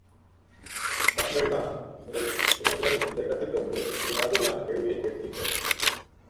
தாங்கள்தான் முதன் முதலில் இந்த இடத்திற்கு வந்து இது மாதிரியான கேள்வியைக் கேட்கிறீர்கள்.